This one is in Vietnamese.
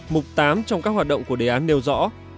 mục tám trong các hoạt động của đề án nêu rõ